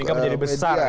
sehingga menjadi besar